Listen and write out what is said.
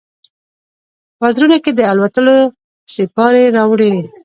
وزرونو کې، د الوتلو سیپارې راوړي